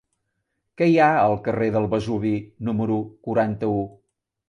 Què hi ha al carrer del Vesuvi número quaranta-u?